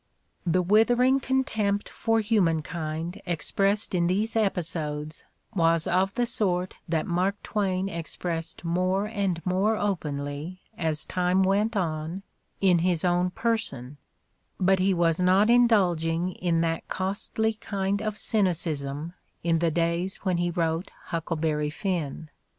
The withering contempt for humankind expressed in these episodes was of the sort that Mark Twain ex pressed more and more openly, as time went on, in his own person; but he was not indulging in that costly kind of cynicism in the days when he wrote "Huckle berry Finn.